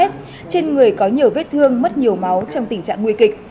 trên người có nhiều vết thương mất nhiều máu trong tình trạng nguy kịch